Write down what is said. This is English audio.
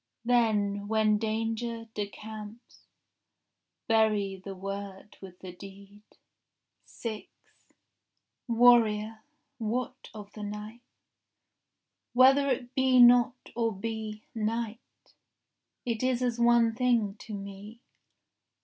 Then, when danger decamps, Bury the word with the deed. 6 Warrior, what of the night?— Whether it be not or be Night, is as one thing to me.